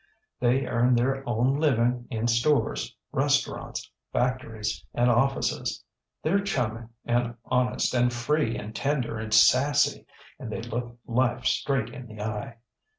They earn their own living in stores, restaurants, factories, and offices. TheyŌĆÖre chummy and honest and free and tender and sassy, and they look life straight in the eye.